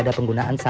ya tentu saja